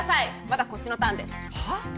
まだこっちのターンですは？